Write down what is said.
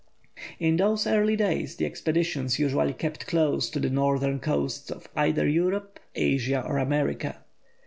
In those early days the expeditions usually kept close to the northern coasts of either Europe, Asia, or America.